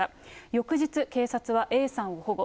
翌日、警察はＡさんを保護。